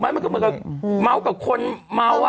ปุ๊บปุ๊บปุ๊บปุ๊บปุ๊บ